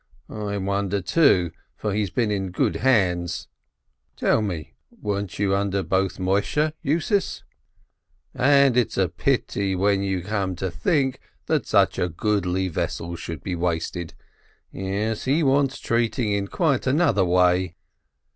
A wonder, too, for he's been in good hands (tell me, weren't you under both Moisheh Yusis?), and it's a pity, when you come to think, that such a goodly vessel should be wasted. Yes, he wants treating in quite another way."